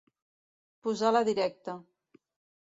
Posar la directa.